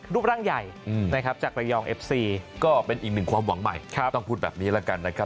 รูปร่างใหญ่นะครับจากระยองเอฟซีก็เป็นอีกหนึ่งความหวังใหม่ต้องพูดแบบนี้แล้วกันนะครับ